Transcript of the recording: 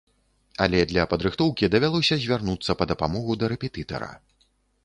Але для падрыхтоўкі давялося звярнуцца па дапамогу да рэпетытара.